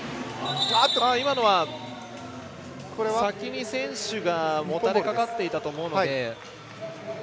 先に選手がもたれかかっていたと思うので。